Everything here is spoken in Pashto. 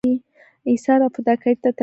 ایثار او فداکارۍ ته تیار دي.